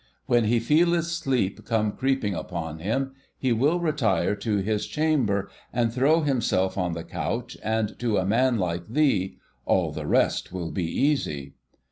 When he feeleth sleep come creeping upon him, he will retire to his chamber, and throw himself on the couch, and, to a man like thee, all the rest will be easy.